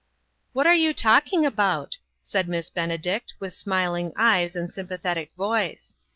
"What are you talking about?" said Miss Benedict, with smiling eyes and sym pathetic voice.